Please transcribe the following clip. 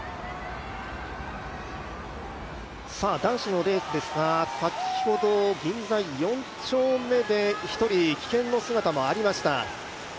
男子のレースですが、先ほど銀座四丁目で１人棄権の姿もありました。